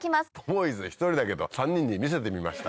ボーイズ１人だけど３人に見せてみました。